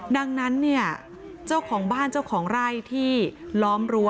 ดังนั้นเนี่ยเจ้าของบ้านเจ้าของไร่ที่ล้อมรั้ว